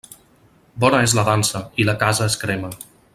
Bona és la dansa, i la casa es crema.